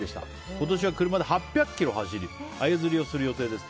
今年は車で８００ｋｍ走りアユ釣りをする予定です。